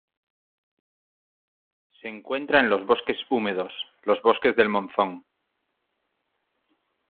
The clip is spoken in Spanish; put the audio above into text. Se encuentra en los bosques húmedos, los bosques del monzón.